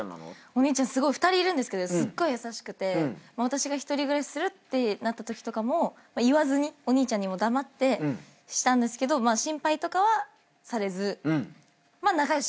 お兄ちゃん２人いるんですけどすっごい優しくて私が１人暮らしするってなったときとかも言わずにお兄ちゃんにも黙ってしたんですけど心配とかはされずまあ仲良し。